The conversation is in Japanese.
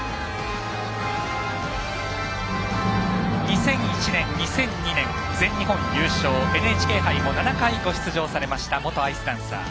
２００１年、２００２年全日本優勝、ＮＨＫ杯も７回ご出場されました元アイスダンサー